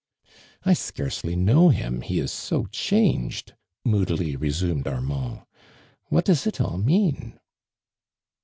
" I scarcely know him, he is so changed !" moodily resumed Armand. "What doea it all mean?"